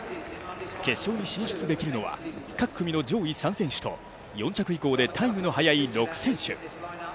決勝に進出できるのは、各組の上位３選手と４着以降でタイムの速い６選手。